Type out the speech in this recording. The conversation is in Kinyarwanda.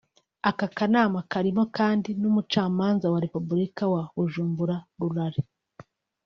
Aka kanama karimo kandi n’umucamanza wa Repubulika wa Bujumbura Rural